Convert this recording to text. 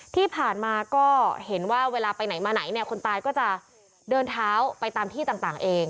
ที่ผ่านมาก็เห็นว่าเวลาไปไหนมาไหนเนี่ยคนตายก็จะเดินเท้าไปตามที่ต่างเอง